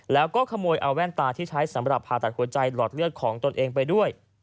แล้วก็ขโมยเอาแว่นตาที่ใช้สำหรับผ่าตัดหัวใจหลอดเลือดของตนเองไปด้วย